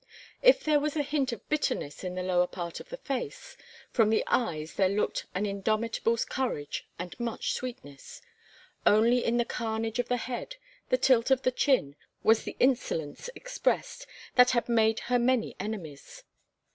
If there was a hint of bitterness in the lower part of the face, from the eyes there looked an indomitable courage and much sweetness. Only in the carnage of the head, the tilt of the chin, was the insolence expressed that had made her many enemies.